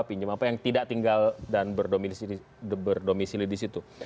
pinjem apa yang tidak tinggal dan berdomisi disitu